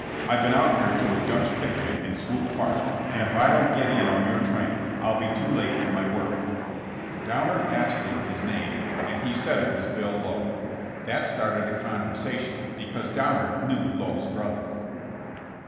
I've been out here to a Dutch picnic in Swope park and if I don't get in on your train I '11 be too late for my work. '' Downer asked him his name and he said it was THB TRIAL FOR TRAIN ROBBERY. 165 Bill Lowe. That started a conversation, because Downer knew Lowe's brother.